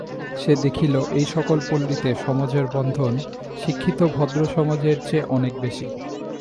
সে দেখিল, এই-সকল পল্লীতে সমাজের বন্ধন শিক্ষিত ভদ্রসমাজের চেয়ে অনেক বেশি।